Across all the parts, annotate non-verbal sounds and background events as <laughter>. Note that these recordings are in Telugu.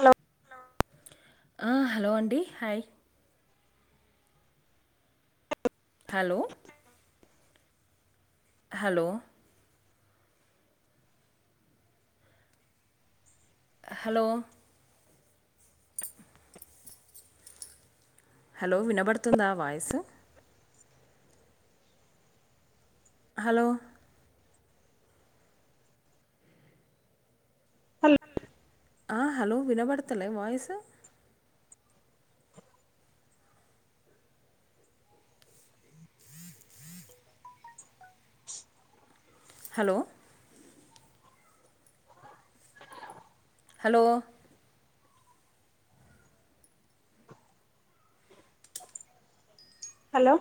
హలో అ హాలో అండి hi hello hello hello hello వినబడుతుందా వాయిస్ హలో ఆ హలో వినబడతలే వాయిస్ హలో హలో హలో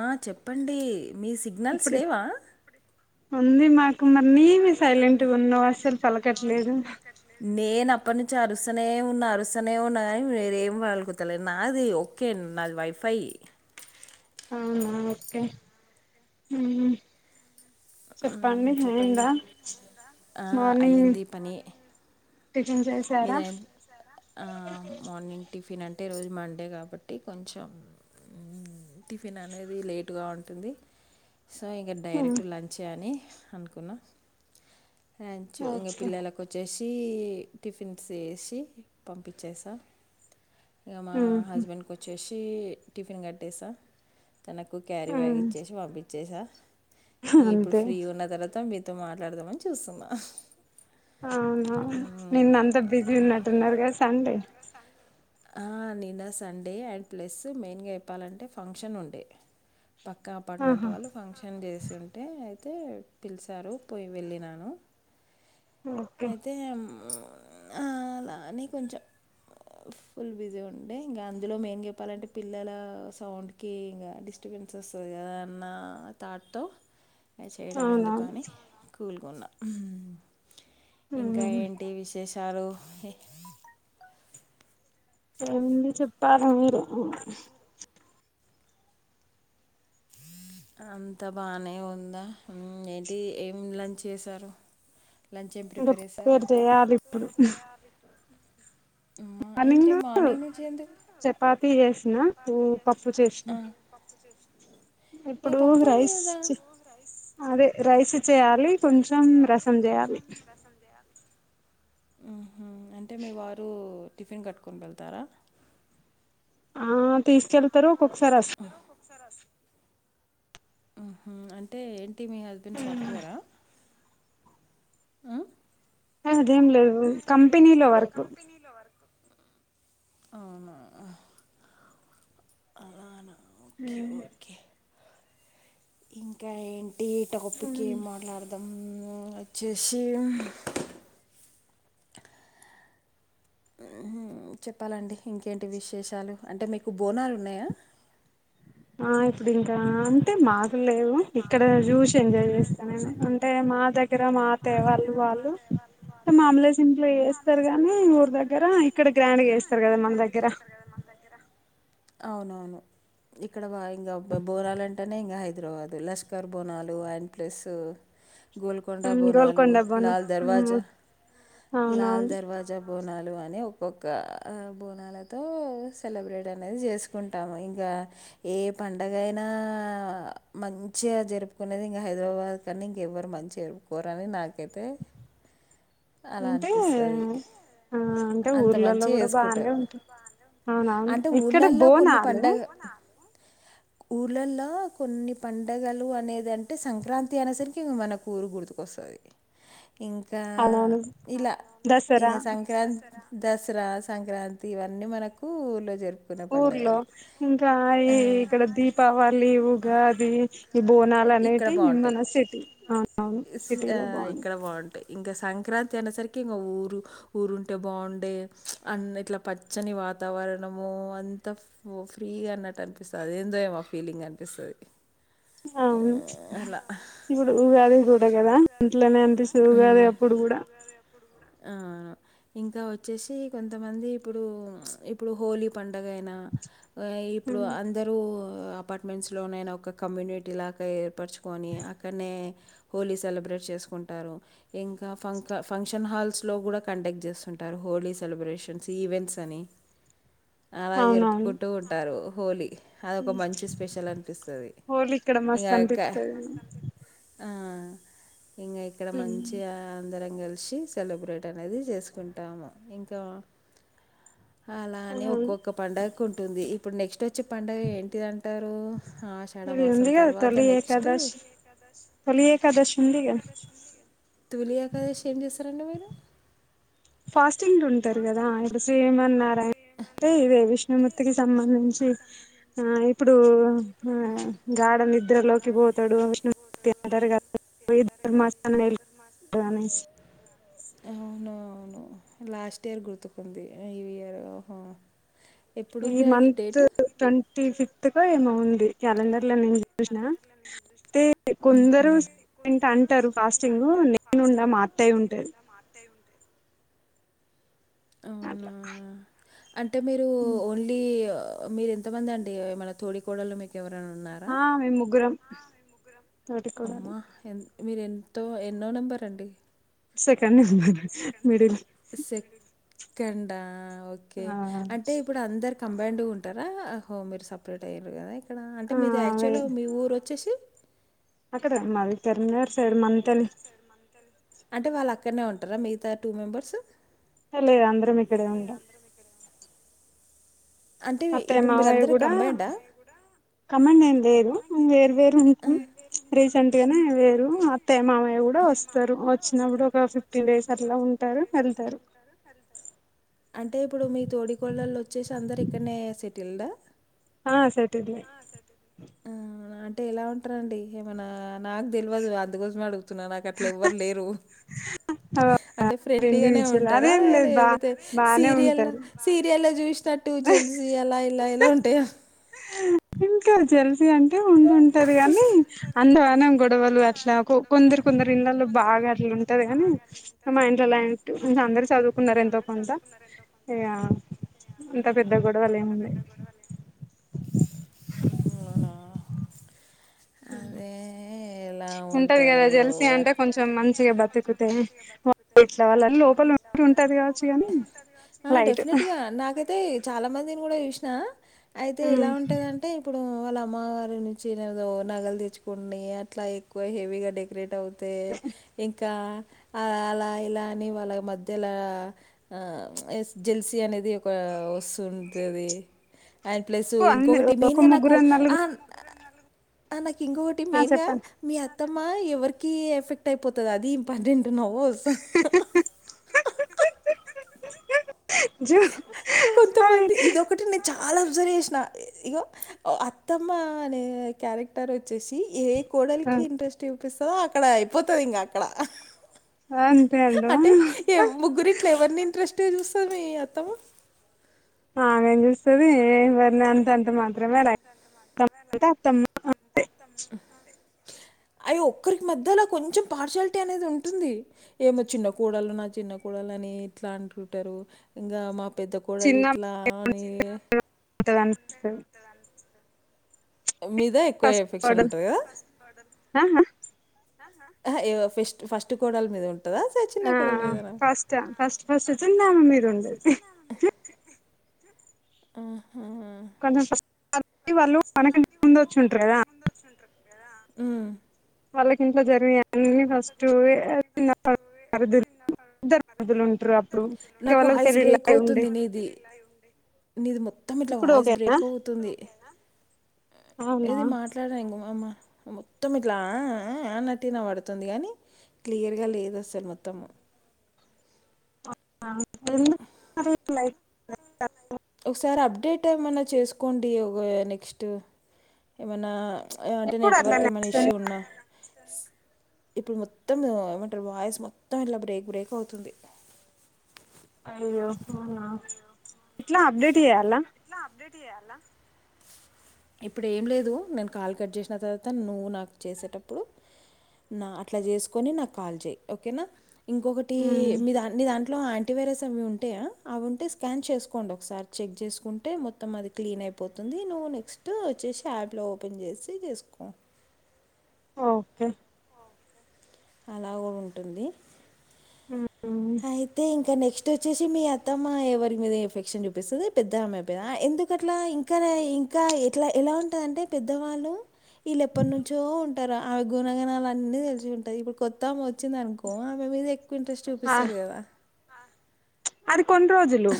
ఆ చెప్పండి మీ సిగ్నల్స్ ఇప్పుడు లేవా ఉంది మాకు మరి నీమ సైలెంట్గా ఉన్నావు అస్సలు పలకట్లేదు నేను అప్పటినుంచి అరుసనే ఉన్న అరుసనే ఉన్నా కాని మీరేమి పలుకుతా లేదు నాదియు ఓకే నాది వైఫై అవునా ఓకే మ్మ్ హ్మ్. చెప్పండి చెప్పండి. అయిందా ఆ! మార్నింగ్ అయ్యింది టిఫన్ చేసి మీరు <unintelligible> ఆ మార్నింగ్ టిఫిన్ అంటే రోజు మండే కాబట్టి కొంచెం టిఫిన్ అనేది లేటుగా ఉంటుంది సో ఇంక మ్మ్ డైరెక్ట్ లంచ అని అనుకున్నా లంచ్ ఇంక ఓకే పిల్లలకు వచ్చేసి టిఫిన్స్ చేసి పంపించేసా ఇక మా మ్మ్ హస్బెండ్ కు వ వచ్చేసి టిఫిన్ కట్టేసా తనకు క్యారీ హు బ్యాగ్ ఇచ్చేసి పంపించేసా ఇప్పుడు అంతే ఫ్రీ ఉన్న తర్వాత మీతో మాట్లాడదామని చూస్తున్నా అవునా నిన్న అంతా బిజీ ఉన్నట్టున్నారుగా సండే ఆ నిన్న సండే అండ్ ప్లస్ మెయిన్ గా చెప్పాలంటే ఫంక్షన్ ఉండే పక్కా అపార్ట్మెంట్ ఆహా వాళ్ళు ఫంక్షన్ చేసి ఉంటే అయితే పిలిచారు పోయి వెళ్ళినాను ఓకే అయితే అలాని కొంచెం ఫుల్ బిజీ ఉండే ఇంకా అందులో మెయిన్ చెప్పాలంటే పిల్లల సౌండ్ కి ఇంకా డిస్టర్బెన్స వస్తుంది కదా అన్న థాట్తో అ చేయడం ఎందుకు అవునవును అని కూలుకున్నాం ఇంకా మ్మ్ ఏంటి విష్ చేసారు ఎంది చెప్పారు మీరు హ అంత బానే ఉందా ఉమ్మ్ ఏంటి ఏం లంచ్ చేసారు ఇంకా ప్రిపేర్ చెయాలి ఇప్పుడు ఉమ్ ఏంటి మార్నింగ్ నుంచి ఎందుకు చపాతి ఎస్ చపాతి చేసిన పప్పు చేసి ఇప్పుడు రైస్ చి అదే రైస్ చెయాలి రైస్ చేయాలి కొంచెం రసం చేయాలి ఆహా అంటే మీ వారు టిఫిన్ కట్టుకొని వెళ్తారా ఆ తీసుకెళ్తారు ఒక్కొక్కసారి అస సరస్ ఆహా అంటే ఏంటి మీ హస్బెండ్ సాఫ్ట్వేరా ఆ అదేం లేదు కంపెనీలో వర్క్ ఆ అవునా అనా ఓకే ఓకే ఇంకా ఏంటి టాపిక్ ఏం మాట్లాడదాం ఉమ్ వచ్చేసి ఉమ్ చెప్పాలండి ఇంకేంటి విశేషాలు అంటే మీకు బోనాలు ఉన్నాయా? ఆ ఇప్పుడు ఇంకా అంటే మాకు లేవు ఇక్కడ చూసి ఎంజాయ్ చేస్తా నేను అంటే మా దగ్గర మా త్తయ్య వాళ్ళు వాళ్ళు మాములే సింపులుగా చేస్తారు గాని ఊరు దగ్గర ఇప్ ఇక్కడ గ్రాండ్గా చేస్తారు కదా మన దగ్గర అవునవును ఇక్కడ వా ఇంగాబ్బబ్ బోనాలు అంటేనే ఇంగా హైదరాబాదు లష్కర్ బోనాలు అండ్ ప్లస్ గోల్కొండ బోనాలు గోల్కొండ బోనం లాల్ దర్వాజా లాల్ అవునవును దర్వాజా పజ బోనాలు అని ఒక్కొక్క అ బోనాలతో సెలబ్రేట్ అనేది చేసు కుంటాము ఇంకా ఏ పండగ ఇకైనా మంచిగా జరుపుకునేది ఇంగా హైదరాబాద్ కనీ ఇంక ఎవ్వరు మంచిగా కోరని నాకైతే అలా అంటే అనిపిస్తది ఆ అంటే అంత ఊర్లలో మంచిగా కూడా బానే ఏసుకుంటారు ఉంటాయి అవునవును అంటే ఇక్కడ ఊళ్ళల్లో కొన్ని బోనాలు పండగ ఊర్లల్లో కొన్ని పండుగలు అనేది అంటే సంక్రాంతి అనేసరికి మనకు ఊరుకూడదు. వస్తది ఇంకా అవునవును ఇలా దసరా ఇగ సంక్రా దసరా సంక్రాంతి ఇవన్నీ మనకు ఊర్లో జరు ఊర్లో ఇంకా ఈ ఇక్కడ దీపావళి ఉగాది ఇక్కడ బోనాలనేటియి బాగుంటాయి మన సిటీ ఆ ఆ సిటీ ఆ లో బాగుంటాయి ఇక్కడ ఇంకా సంక్రాంతి అనే సరికి ఇంగ ఊరు ఊరుంటే బాగుండే అన్ని ఇట్లా పచ్చని వాతావరణము అంత ఓ ఫ్రీగా అన్నట్టు అనిపిస్తది అదేందో ఏమో ఫీలింగ్ అనిపిస్తది అవును ఇప్పుడు ఉగాది కూడా కదా ఇంట్లనే అనిపిస్తది ఉగాది అప్పుడు కూడా ఆ ఇంకా వచ్చేసి కొంతమంది ఇప్పుడు చ్మ్ ఇప్పుడు హోలీ పండగయినా ఆ ఇప్పుడు అందరూ అపార్ట్మెంట్స్ లోనేన ఒక కమ్యూని టిలాగా ఏర్పరుచుకొని అక్కడనే హోలీ సెలబ్రేట్ చేసుకుంటారు. ఇంకా ఫం ఫంక్షన్ హాల్స్ లో కూడా కండక్ట్ చేస్తుంటారు హోలీ సెలబ్రేషన్స్ ఈవెంట్స్ అని అలా అవునవును జరుపుకుంటూ ఉంటారు హోలీ అదొక మంచి స్పెషల్ అనిపిస్తది హోలీ ఇక్కడ ఇంగా మస్తు ఆ అక్క అనిపిత్తది ఆ ఇంగా ఇ ఇక్కడ మంచిగా అందరం కలిషి సెలబ్రేట్ అనేది చేసుకుంటాము ఇంకా అలాని అవును ఒక్కొక్క పండగకు ఉంటుంది ఇప్పుడు నెక్స్ట్ వచ్చే పండగ ఏంటిది అంటారు ఇది ఆషాఢమాసం ఉంది కదా తొలి ఏకాదశ్ తొలి ఏకాదశి ఉందిగా తొలి ఏకాదశి ఏం చేస్తారండి మీరు ఫాస్టింగ్ లు ఉంటారు కదా ఇప్పుడు సేమ్ న్నా ఆరాయణ అంటే ఇదే విష్ణుమూర్తికి సంబంధించి ఆ ఇప్పుడు హ ఘాడా నిద్రలో తిరుగిపోతాడు విష్ణుమూర్తి అంటారు కదా ఇ ధర్మాసన <unintelligible> అనేసి ఆ అవును అవును లాస్ట్ ఇయర్ గుర్తుకుంది ఈ ఇయర్ ఓహొ ఈ మంత్ ట్వంటీ ఫిఫ్త్ కో ఏమో వుంది క్యాలెండర్ లో నేను చూసిన అతే కొందరు ఉహు <unintelligible> అంటరు ఫాస్టింగ్ నేనుండ మా అత్తయ్య ఉంటది అవునా అట్లా అంటే మీరు ఓన్లీ ఆ మీరు ఎంతమంది అండి ఏ మన తోడి కోడలు మీకు ఎవరన్న ఉన్నారా ఆ మేము ముగ్గురం తోటి కోడళ్ళు మీరు ఎంతో ఎన్నో నెంబర్ అండి సెకండ్ మిడిల్ సెకకడా ఓకే ఆ అంటే ఇప్పుడు అందరి కంబైండ్గా ఉంటారా ఆ ఒ మీరు సపరేట్ అయ్యరు కదా ఇక్కడ ఆ అంటే మీది అదే యాక్చువల్గా మీ ఊరు వచ్చేసి అక్కడ మాది కరంనగర్ సైడ్ మన్తెలి అంటే వాళ్ళు అక్కడనే ఉంటారా మిగతా టూ మెంబర్స్ హే లేదు అందరం ఇక్కడే ఉంటాం అంటే అత్తయ్య ఇప్పుడు మావయ్య మీరందరూ కూడా కంబైండా కమాండ్ ఏం లేరు వేరు వేరు ఉంట్నం ఉంటాం. రీసెంట్ గానే వేరు అత్తయ్య మామయ్య కూడా వస్తారు వచ్చినప్పుడు ఒక ఫిఫ్టీన్ డేస్ అట్లా ఉంట టరు వెళ్తరు అంటే ఇప్పుడు మీ తోడి కోడళ్ళు వచ్చేసి అందరు ఇక్కడనే సెటిల్డా ఆ సట్దిడే ఆ అంటే ఎలా ఉంటారంండి ఏమనా నాకు తెలియదు అందుకోసమే అడుగు తున్నా నాకు అట్లా ఎవ్వరులేరు అంటే ఫ్రెండ్లీగానే ఇండివిజువల్ ఉంటారా అదేం లేదు బా లేకపోతే బానే సీరియల్ ఉంటారు సీరియల్ చూసినట్టు జల్సి అలఎలా ఇలా ఉంటాయా తే జల్సి అంటే ఉంటుటది గని అంతగనం గొడవలు అట్లా కొందరు కొందరు ఇంలలో బాగా అట్లు ఉంటది కాని మా ఇంట్లో అలాంటి అందరు చదువుకున్నారు ఎంతో కొంత ఇగ అంత పెద్ద గొడవలేముండై మన అదే ఎలా ఉంటది కదా ఉంటుందో జల్సీ అంటే కొంచెం మంచిగా బతుకుతే ఇట్ల వాళ్ళ లోపల ఉ ఉంటే ఉంటది కావచ్చు గానీ లైట్ తే చాలా మందిని కూడా చూసిన అయితే ఎలా ఉంటాదింటే ఇప్పుడు వాళ్ళ అమ్మవారు మేం చీరలు నగలు తేచ్చుకుని అట్లా ఎక్కువ హెవీగా డెకరేట్ అవుతే ఇంకా అ అలా ఇలాని వాళ్ళ మధ్యలా ఆ ఎ జెల్సీ అనేది ఒక వస్తు ఉంతది అండ్ ప్లస్ అన్ని ఇంకొకటి మెయిన్ ఒక గా నాకు ముగ్గురు ఆ నలుగురు ఆ నాకు ఇంకొకటి ఆ మెయిన్ గా చెప్పండి మీ అత్తమ్మ ఎవరికిీ ఎఫెక్ట్ అయిపోతది అది ఇంపార్టెంట్ నవొస్తది జో అవి కొంతమంది ఇదొకటి నేను చాలా అబ్జర్వ్ చేసిన ఇగో అత్తమ్మ అనే క్యారెక్టర్ వచ్చేసి ఏ కోడలికి ఇంట్రెస్ట్ చూపిస్తదో అక్కడ అయిపోతది ఇంగా అక్కడ అంతే అంటవ అంటే ముగ్గురు ఇట్ల ఎవరిని ఇంట్రెస్ట్ టెలిస్తది మీ ఆత్తమ ఆమెం చూస్తది ఏవరిని అంత అంత మాత్రమే అమ్ అంతే అవి ఒక్కరికి మధ్యలో కొంచెం పార్షాలిటీ అనేది ఉంటుంది ఏమో చిన్న కోడలు నా చిన్నకోడలు అని ఇట్లా అంటుంటారు ఇంకా మా పెద్ద కోడలు ఇట్లా అని కొత్తగా అనిపిస్తది కొత్తగా అనిపిస్తుంది ఎనిమిది ఆ ఆ ఫెస్ట్ ఫస్ట్ కోడలి మీద ఉంటదా స చిన్న కోడల ఆ మీదనా ఫస్ట్ ఫస్ట్ ఫస్ట్ వచ్చిందామ మీద ఉంటది ఆహా <unintelligible> వాళ్ళు మనకంటే ముందు వచ్చి ఉంటారు కదా హ్మ్ వాళ్ళకి ఇంట్లో జరిగే వాళ్ళకి ఇంట్లో జరిగే అన్ని ఫస్ట్ మరుదులు తిన్నా ఇద్దరు మరుదులు ఉంటారు పరిధుంది అప్పుడు ఇంకా నాకు వాళ్ళకి హైస్ పెళ్ళిళ్ళు బ్రేక్ అయి ఉండే అవుతుంది నీది నీది మొత్తం ఇట్లా ఇప్పుడు వాయిస్ ఓకేనా బ్రేక్ అవుతుంది అవునా ఏది మాట్లాడ ఇంగమ్మ మొత్తం ఇట్లాఆఆఆ టీనా పడుతుంది కానీ క్లియర్గా లేదు అసలు మొత్తము ఆ ఏంది <unintelligible> లైక్ ఒకసారి అప్డేట్ ఏమన్నా చేసుకోండి ఒగ నెక్స్ట్ ఏమైనా అంటే ఎప్పుడు నెట్వర్క్ అట్లనే ఏమైనా ఇష్యూ ఉన్నా ఇప్పుడు మొత్తం ఏమంటారు వాయిస్ మొత్తం ఇట్లా బ్రేక్ బ్రేక్ అవుతుంది ఇట్లా అప్డేట్ ఇయ్యాలా ఇట్లా అప్డేట్ ఇయాలా ఇప్పుడు ఏం లేదు నేను కాల్ కట్ చేసిన తర్వాత నువ్వు నాకు చేసేటప్పుడు నా అట్ల చేసుకుని నాకు కాల్ చెయ్ ఇంకొకటి మ్మ్ మీ దా నీ దాంట్లో యాంటీవైరస్ అవి ఉంటాయా అవి ఉంటే స్కాన్ చేసుకోండి ఒకసారి చెక్ చేసుకుం అంటే మొత్తం అది క్లీన్ అయిపోతుంది నువ్వు నెక్స్ట్ వచ్చేసి యాప్లో ఓపెన్ చేసి చేసుకో ఓకే అలాగో ఉంటుంది హ్మ్ అయితే ఇంకా నెక్స్ట్ వచ్చేసి మీ అత్తమ్మ ఎవరి మీద ఎఫెక్షన్ చూపిస్తది పెద్ద అమ్మాయి పైన ఎందుకట్లా ఇం ఇంకా ఇంకా ఎట్లా ఎలా ఉంటదంటే పెద్దవాళ్ళు వీళ్ళ ఎప్పటినుంచో ఉ ఆమె గుణగణాలు అన్ని తెలిసి ఉంటాయి ఇప్పుడు కొత్త ఆమే వచ్చింది అనుకో ఆమె మీద ఎక్కువ ఇంట్రెస్ట్ ఆ పిస్తాది కదా అది కొన్ని రోజు లో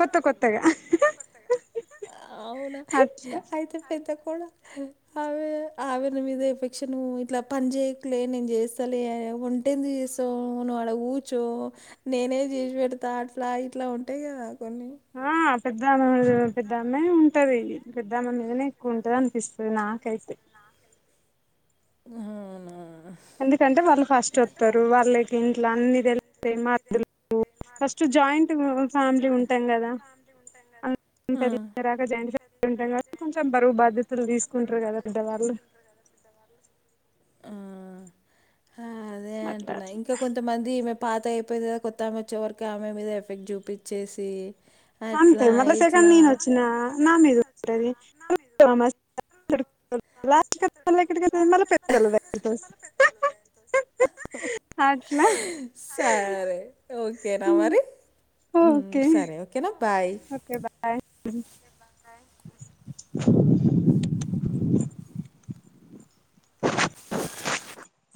కొత్త కొత్తగా అవునా అట్లా అయితే పెద్ద కొడా ఆవి ఆవిడ మీద ఎఫెక్షన్ ఇట్లా పని చేయకు లే నేను చేస్తాలే ఎందుకు చేస్తావ్ నువ్ నువ్వు ఆడ కూచో నేనే చేసి పెడతా అట్లా ఇట్లా ఉంటే టే అదని ఆ పెద్ద అమ్మ మీదే పెద్ద అమ్మయి ఉంటది పెద్ద అమ్మ మీదనే ఎక్కువ ఉంటది అనిపిస్తుంది నాకైతే ఊహూ అవునా ఎందుకంటే వాళ్ళు ఫస్ట్ వస్తారు వాళ్ళకి ఇంట్లో అన్ని తెలుస్తా మ ఫస్ట్ జాయింట్ ఫ్యామిలీ ఉంటాం కదా అ ఆ <unintelligible> జాయింట్ ఫ ఉంటాం కాబట్టి కొంచెం బరువు బాధ్యతలు తీసుకుంటారు కదా పెద్ద వాళ్ళు ఆ అదే అట్లా అంటున్నా అట్లా ఇంకా కొంతమంది ఈమె పాత అయిపోయింది కదా కొత్త ఆమె వచ్చే వరకు ఆమె మీద ఎఫెక్ట్ చూపిచ్చేసి అంతే అట్లా మళ్ళా సెకండ్ ఇట్లా నేను వచ్చిన నా మీద ఉంటది <unintelligible> లాస్ట్ కతే మళ్ళ ఎక్కడికి వెళ్తది మళ్ళ పెద్దోళ్ళ దగ్గరికి అస్ అట్ల ఓకే నా మరి సరే ఓకేనా బాయ్ ఎబా